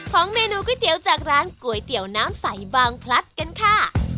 ของเมนูก๋วยเตี๋ยวจากร้านก๋วยเตี๋ยวน้ำใสบางพลัดกันค่ะ